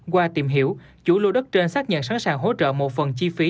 qua tìm hiểu chủ lô đất trên xác nhận sẵn sàng hỗ trợ một phần chi phí